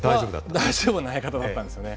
大丈夫な投げ方だったんですよね。